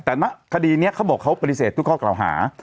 แต่ณคดีนี้เขาบอกเขาปฏิเสธทุกข้อกล่าวหา